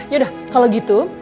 yaudah kalau gitu